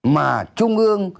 mà trung ương